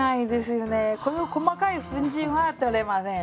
この細かい粉じんは取れませんね。